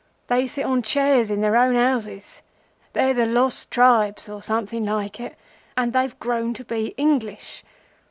They sit on chairs in their own houses. They're the Lost Tribes, or something like it, and they've grown to be English.